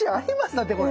だってこれ。